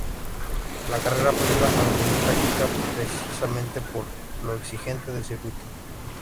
La carrera fue dura, aunque muy táctica, precisamente por lo exigente del circuito.